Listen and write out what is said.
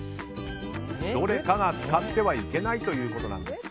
どれかが使ってはいけないということなんです。